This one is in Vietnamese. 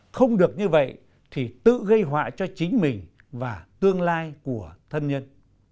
không được như vậy thì tự gây họa cho chính mình và tương lai của thân nhân